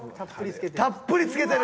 たっぷりつけてる！